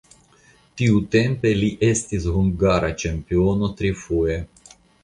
Tiutempe li estis hungara ĉampiono trifoje.